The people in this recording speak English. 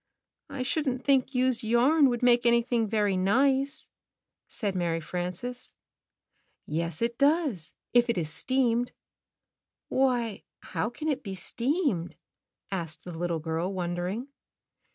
"I shouldn't think used yarn would make any thing very nice," said Mary Frances. "Yes, it does, if it is steamed." "Why, how can it be steamed?" asked the little girl, wondering.